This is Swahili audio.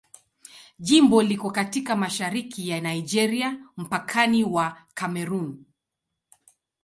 Jimbo liko katika mashariki ya Nigeria, mpakani wa Kamerun.